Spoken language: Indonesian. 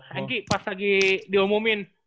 hengki pas lagi diomumin